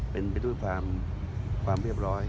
เป็นไปด้วยความเรียบร้อย